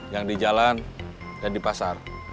yang di jalan dan di pasar